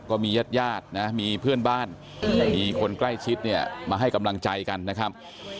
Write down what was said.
ก็มียาดนะมีเพื่อนบ้านมีคนใกล้ชิดมาให้กำลังใจกันนะครับ